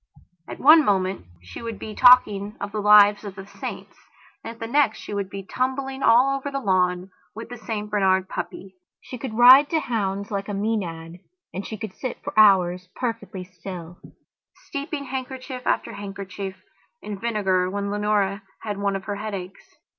At one moment she would be talking of the lives of the saints and at the next she would be tumbling all over the lawn with the St Bernard puppy. She could ride to hounds like a Maenad and she could sit for hours perfectly still, steeping handkerchief after handkerchief in vinegar when Leonora had one of her headaches.